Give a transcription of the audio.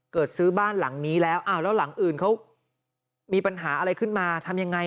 ซื้อบ้านหลังนี้แล้วอ้าวแล้วหลังอื่นเขามีปัญหาอะไรขึ้นมาทำยังไง